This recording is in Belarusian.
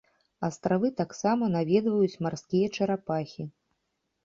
Астравы таксама наведваюць марскія чарапахі.